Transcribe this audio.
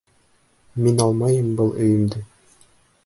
Мин алмайым был өйөмдө!